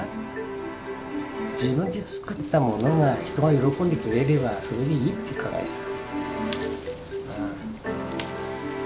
自分で作ったものが人が喜んでくれればそれでいいって考えさ。